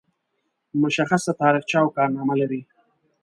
مشخصه تاریخچه او کارنامه لري.